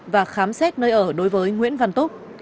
và khám xét nơi ở đối với nguyễn văn túc